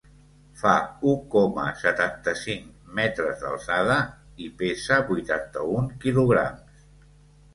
Fa u coma setanta-cinc metres d’alçada i pesa vuitanta-un quilograms.